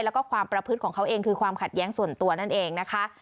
แล้วก็ความประพฤติของเขาเองคือความขัดแย้งส่วนตัวนั่นเองนะคะ